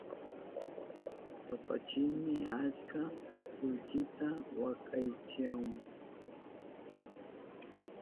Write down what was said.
Papachini achka kullkita wakaychahun.